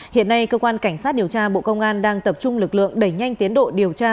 hiện nay cơ quan cảnh sát điều tra bộ công an đang tập trung lực lượng đẩy nhanh tiến độ điều tra